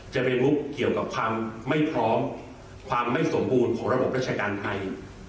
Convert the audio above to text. จะไปลุกเกี่ยวกับความไม่พร้อมความไม่สมบูรณ์ของระบบราชการไทย